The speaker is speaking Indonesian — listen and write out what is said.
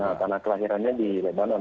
nah tanah kelahirannya di lebanon